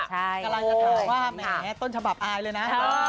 กำลังจะถามว่าแหมต้นฉบับอายเลยนะ